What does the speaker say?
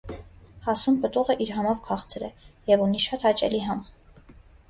Հասուն պտուղը իր համով քաղցր է և ունի շատ հաճելի համ։